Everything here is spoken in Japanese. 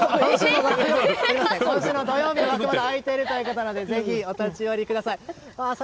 今週の土曜日はまだ空いているということなのでぜひ、お立ち寄りください。